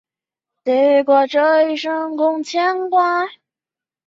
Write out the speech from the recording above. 醮期由一日一夜至五日六夜不等。